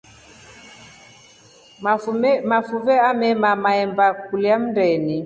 Mafuve amemaama mahemba kulya mndeni.